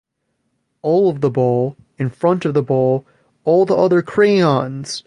All of the ball, in front of the ball, all the other crayons!